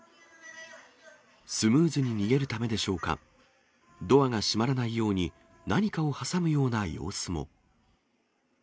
スムーズに逃げるためでしょうか、ドアが閉まらないように、何かを挟むような様子も。